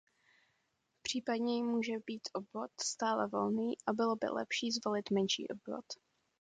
Případně ji může být obvod stále volný a bylo by lepší zvolit menší obvod.